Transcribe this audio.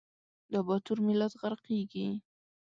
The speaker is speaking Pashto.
دا باتور ملت غرقیږي